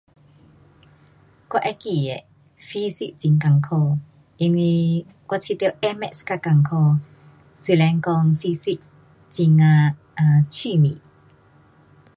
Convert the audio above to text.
我会记得 physic 很困苦，因为我觉得 A-math 较困苦。虽然讲 physic 很呀 um 趣味。